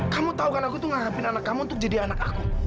kamu tau kan aku tuh ngahapin anak kamu untuk jadi anak aku